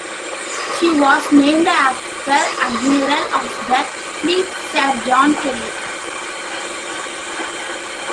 She was named after Admiral of the Fleet Sir John Kelly.